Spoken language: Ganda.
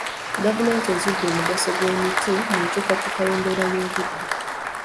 Gavumenti ezudde omugaso gw'emiti mu nkyukakyuka y'embeera y'obudde.